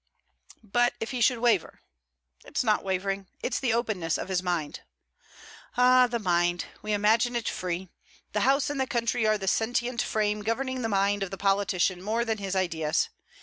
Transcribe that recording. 'But if he should waver?' 'It's not wavering. It's the openness of his mind.' 'Ah! the mind. We imagine it free. The House and the country are the sentient frame governing the mind of the politician more than his ideas.